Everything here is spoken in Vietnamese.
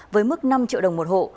với mức năm triệu đồng một hộ